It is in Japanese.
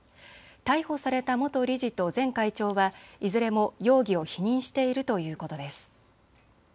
逮捕された元理事と前会長はいずれも容疑を否認しているということです。